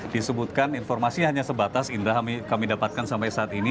disebutkan informasi hanya sebatas indra kami dapatkan sampai saat ini